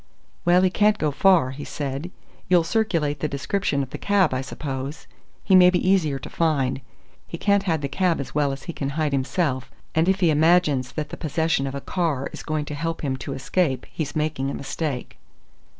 "Well, he can't go far," he said. "You'll circulate the description of the cab, I suppose? He may be easier to find. He can't hide the cab as well as he can hide himself, and if he imagines that the possession of a car is going to help him to escape he's making a mistake."